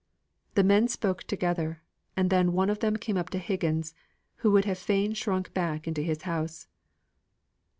The men spoke together, and then one of them came up to Higgins, who would have fain shrunk back into his house.